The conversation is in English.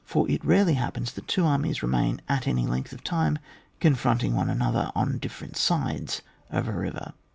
For it rarely happens that two armies remain any length of time confronting one another on different sides of a river.